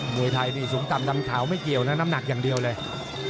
มวยไทยนี่สูงต่ำดำขาวไม่เกี่ยวนะน้ำหนักอย่างเดียวเลย